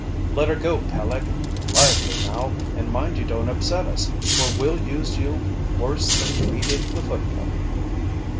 "Let her go, Peleg, lively now, and mind you don't upset us, or we'll use you worse than we did the football."